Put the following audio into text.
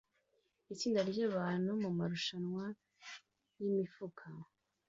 Itsinda ryabantu mumarushanwa yimifuka